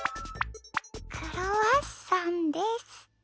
クロワッサンです。